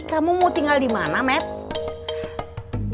kamu mau tinggal di mana mat